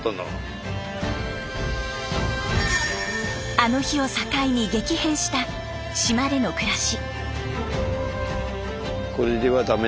あの日を境に激変した島での暮らし。